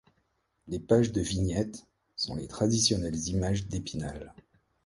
Les pages de vignettes sont les traditionnelles images d'Épinal.